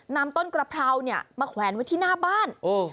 นำต้นกระเพราเนี่ยมาแขวนไว้ที่หน้าบ้าน